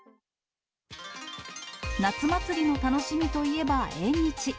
夏祭りの楽しみといえば縁日。